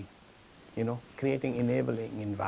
membuat uang terdapat untuk anak muda yang masih muda